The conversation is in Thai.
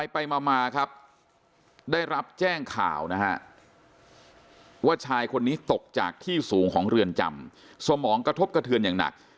ไปมาครับได้รับแจ้งข่าวนะฮะว่าชายคนนี้ตกจากที่สูงของเรือนจำสมองกระทบกระเทือนอย่างหนัก